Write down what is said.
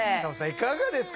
いかがですか？